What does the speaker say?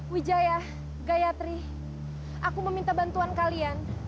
wijaya gayatri aku meminta bantuan kalian